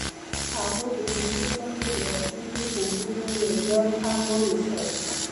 هغوی د ګلونه لاندې د راتلونکي خوبونه یوځای هم وویشل.